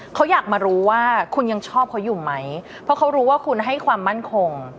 เขาอยากมารู้ว่าคุณยังชอบเขาอยู่ไหมเพราะเขารู้ว่าคุณให้ความมั่นคง